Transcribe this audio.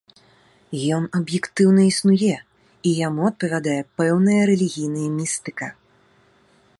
Ён аб'ектыўна існуе, і яму адпавядае пэўная рэлігійная містыка.